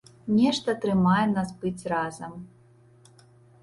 Нешта трымае нас быць разам.